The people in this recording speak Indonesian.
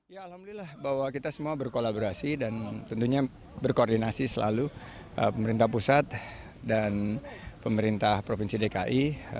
ya alhamdulillah bahwa kita semua berkolaborasi dan tentunya berkoordinasi selalu pemerintah pusat dan pemerintah provinsi dki